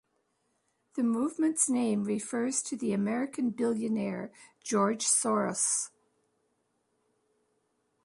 The movement's name refers to the American billionaire George Soros.